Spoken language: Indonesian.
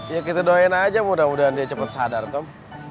ya kita doain aja mudah mudahan dia cepat sadar tom